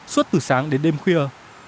suốt từ sáng đến đêm khuya